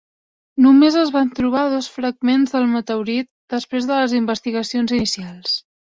Només es van trobar dos fragments del meteorit després de les investigacions inicials.